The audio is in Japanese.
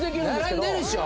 並んでるでしょ？